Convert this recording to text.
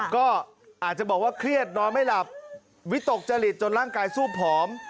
ก็อาจจะบอกว่าเครียดนอนไม่หลับวิตกจริตจนร่างกายสู้ผอม